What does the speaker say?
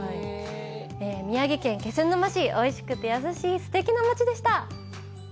宮城県気仙沼市、おいしくて優しいすてきな町でした。